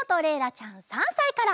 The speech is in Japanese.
ちゃん３さいから。